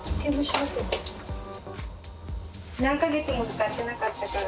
何か月も使ってなかったから。